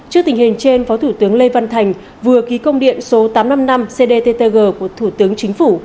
trước tình hình trên phó thủ tướng lê văn thành vừa ký công điện số tám trăm năm mươi năm cdttg của thủ tướng chính phủ